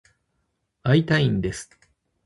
会いたいんです。